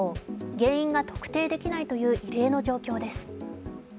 原因が特定できないという異例の状況です。